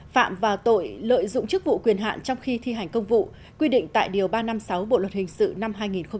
phạm vào tội lợi dụng chức vụ quyền hạn trong khi thi hành công vụ quy định tại điều ba trăm năm mươi sáu bộ luật hình sự năm hai nghìn một mươi năm